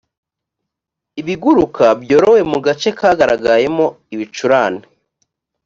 ibiguruka byorowe mu gace kagaragayemo ibicurane